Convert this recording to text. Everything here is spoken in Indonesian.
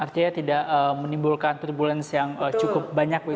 artinya tidak menimbulkan turbulensi yang cukup banyak